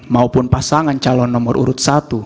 maupun pasangan calon nomor urut satu